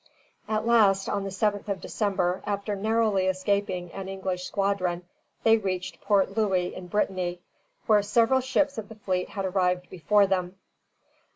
_] At last, on the 7th of December, after narrowly escaping an English squadron, they reached Port Louis in Brittany, where several ships of the fleet had arrived before them.